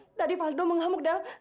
nona paldol tahu masalah kamu dengan jody